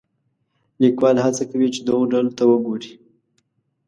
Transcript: لیکوال هڅه کوي چې دغو ډلو ته وګوري.